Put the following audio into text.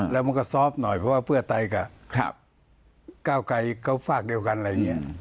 แล้วมันก็ซอฟต์หน่อยเพราะว่าเพื่อไทยกับก้าวไกรเขาฝากเดียวกันอะไรอย่างนี้